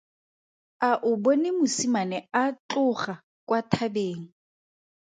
A o bone mosimane a tloga kwa thabeng?